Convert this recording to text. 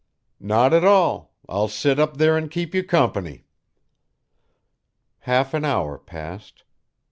"Not at all. I'll sit up there and keep you company." Half an hour passed.